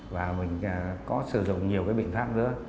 và mình có sử dụng nhiều cái biện pháp nữa